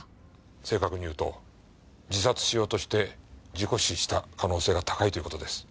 正確に言うと自殺しようとして事故死した可能性が高いという事です。